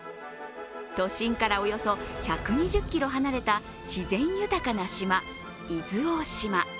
都心からおよそ１２０ｋｍ離れた自然豊かな島・伊豆大島。